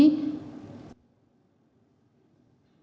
tergeletak di kamar mandi